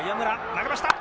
投げました。